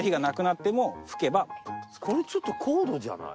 これちょっと高度じゃない？